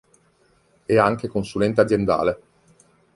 È anche consulente aziendale.